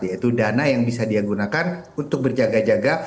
yaitu dana yang bisa dia gunakan untuk berjaga jaga